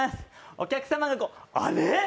お客様があれっ！？